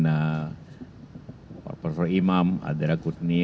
pak profesor imam adira kutni